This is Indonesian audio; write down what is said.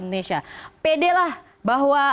indonesia pede lah bahwa